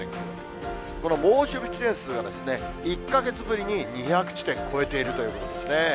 この猛暑日地点数が１か月ぶりに２００地点超えているということですね。